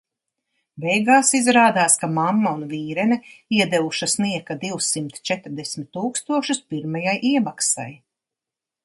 Beigās izrādās, ka mamma un vīrene iedevušas nieka divsimt četrdesmit tūkstošus pirmajai iemaksai.